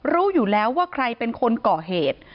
รู้อยู่แล้วว่าใครเป็นคนก่อเหตุ